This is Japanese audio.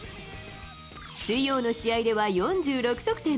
水曜の試合では４６得点。